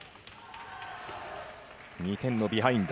２点のビハインド。